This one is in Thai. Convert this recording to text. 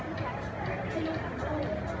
มันเป็นสิ่งที่จะให้ทุกคนรู้สึกว่า